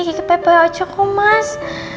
kiki pepeh aja kok mas